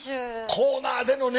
コーナーでのね。